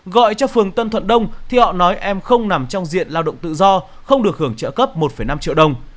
gọi cho phường tân thuận đông thì họ nói em không nằm trong diện lao động tự do không được hưởng trợ cấp một năm triệu đồng